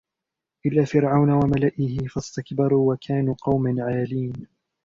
إِلَى فِرْعَوْنَ وَمَلَئِهِ فَاسْتَكْبَرُوا وَكَانُوا قَوْمًا عَالِينَ